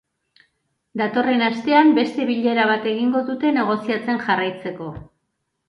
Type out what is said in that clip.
Datorren astean, beste bilera bat egingo dute negoziatzen jarraitzeko.